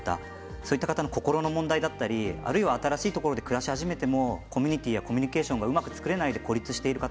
そういった方の心の問題であったり、あるいは新しいところで暮らす、初めてのコミュニティーやコミュニケーションがうまく作れなくて孤立している方